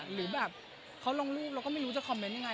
หรือแบบเขาลงรูปเราก็ไม่รู้จะคอมเมนต์ยังไง